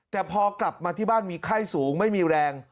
แต่พอกลับมาที่บ้านมีไข้สูงไม่มีแรง